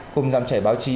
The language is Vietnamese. cùng dòng chảy báo chí